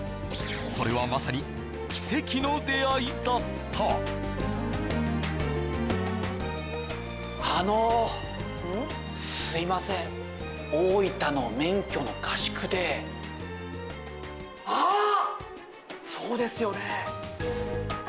それはまさに奇跡の出会いだったあのすいません大分の免許の合宿であっ！